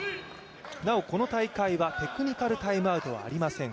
なおこの大会はテクニカルタイムアウトはありません。